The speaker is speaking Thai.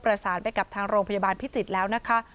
ประสานไปกับทางโรงพยาบาลพิจิตรแล้วนะคะ